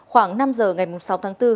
khoảng năm giờ ngày sáu tháng bốn